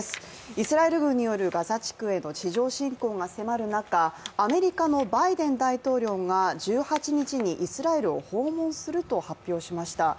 イスラエル軍によるガザ地区への地上侵攻が迫る中アメリカのバイデン大統領が１８日にイスラエルを訪問すると発表しました。